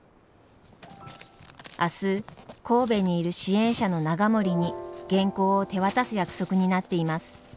明日神戸にいる支援者の永守に原稿を手渡す約束になっています。